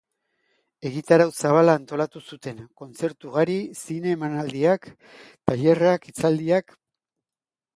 Egitarau zabala antolatu zuten: kontzertu ugari, zine emanaldiak, tailerrak, hitzaldiak...